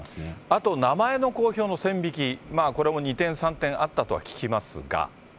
あと、名前の公表の線引き、これも二転三転あったとは聞きますが。